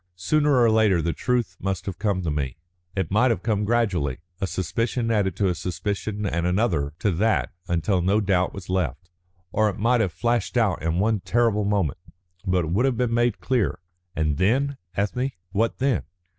Sooner or later the truth must have come to me. It might have come gradually, a suspicion added to a suspicion and another to that until no doubt was left. Or it might have flashed out in one terrible moment. But it would have been made clear. And then, Ethne? What then?